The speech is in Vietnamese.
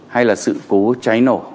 hay là sự cố cháy nổ